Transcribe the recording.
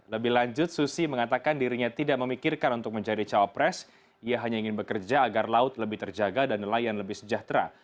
lebih lanjut susi mengatakan dirinya tidak memikirkan untuk menjadi cawapres ia hanya ingin bekerja agar laut lebih terjaga dan nelayan lebih sejahtera